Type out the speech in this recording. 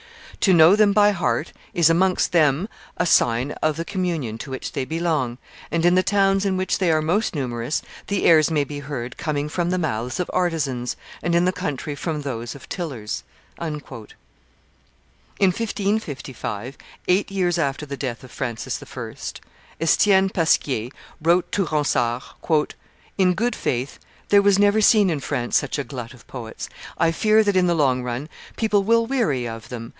To know them by heart is, amongst them, a sign of the communion to which they belong, and in the towns in which they are most numerous the airs may be heard coming from the mouths of artisans, and in the country from those of tillers." In 1555, eight years after the death of Francis I., Estienne Pasquier wrote to Ronsard, "In good faith, there was never seen in France such a glut of poets. I fear that in the long run people will weary of them.